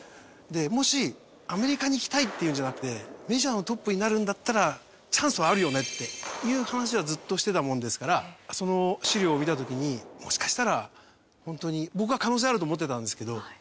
でもしアメリカに行きたいっていうんじゃなくてメジャーのトップになるんだったらチャンスはあるよねっていう話はずっとしてたものですからその資料を見た時にもしかしたら本当に僕は可能性あると思ってたんですけど。